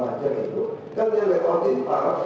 macam itu kan dia rekordin para